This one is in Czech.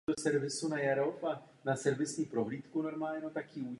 U příležitosti sta let od jeho narození mu byl na bratislavském letišti odhalen památník.